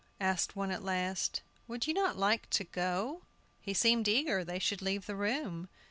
asked one at last. "Would you not like to go?" He seemed eager they should leave the room.